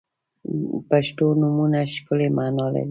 • پښتو نومونه ښکلی معنا لري.